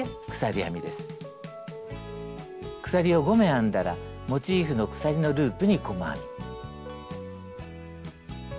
鎖を５目編んだらモチーフの鎖のループに細編み。